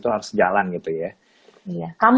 harus jalan gitu ya